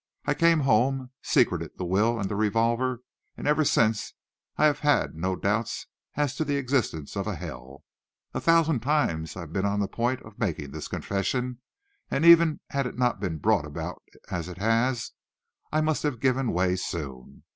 I came home, secreted the will and the revolver, and ever since I have had no doubts as to the existence of a hell. A thousand times I have been on the point of making this confession, and even had it not been brought about as it has, I must have given way soon.